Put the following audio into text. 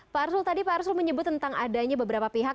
pak arsul tadi pak arsul menyebut tentang adanya beberapa pihak